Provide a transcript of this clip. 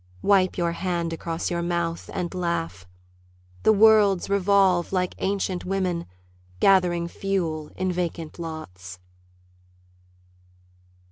Wipe your hand across your mouth, and laugh; The worlds revolve like ancient women Gathering fuel in vacant lots.